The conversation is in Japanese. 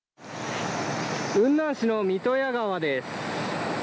雲南市の三刀屋川です。